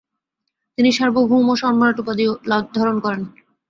তিনি সার্বভৌম সম্রাট উপাধি ধারণ করেন।